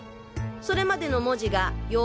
それまでの文字が「よ」